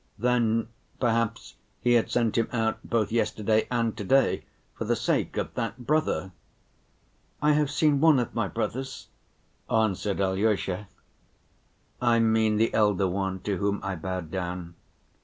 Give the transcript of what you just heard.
Then perhaps he had sent him out both yesterday and to‐day for the sake of that brother. "I have seen one of my brothers," answered Alyosha. "I mean the elder one, to whom I bowed down."